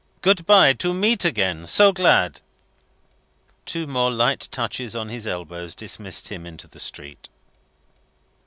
Good bye. To meet again. So glad!" Two more light touches on his elbows dismissed him into the street.